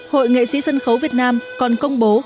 hội nghệ sĩ sân khấu việt nam còn công bố